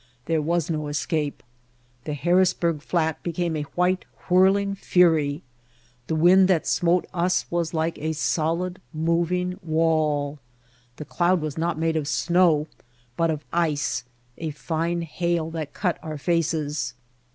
There was no escape. The Har risburg Flat became a white, whirling fury. The wind that smote us was like a solid, moving wall. The cloud was not made of snow, but of ice, a fine hail that cut our faces.